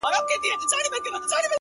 زړه راته زخم کړه؛ زارۍ کومه؛